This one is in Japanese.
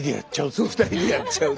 そう２人でやっちゃうという。